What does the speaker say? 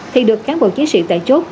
thì được các bộ chiến sĩ tại chốt